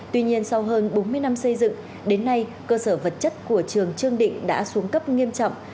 tuy nhiên sau hơn bốn mươi năm xây dựng đến nay cơ sở vật chất của trường trương định đã xuống cấp nghiêm trọng